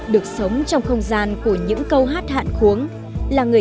được sống trong không gian của những câu hát hạn khuống